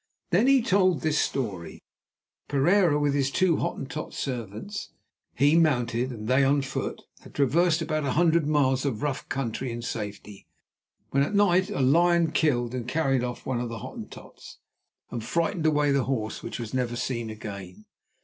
Then he told this story: Pereira with his two Hottentot servants, he mounted and they on foot, had traversed about a hundred miles of rough country in safety, when at night a lion killed and carried off one of the Hottentots, and frightened away the horse, which was never seen again.